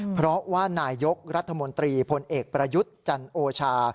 เพราะว่านายกรัฐมนตรีพลเอกประยุทธ์จันโอชา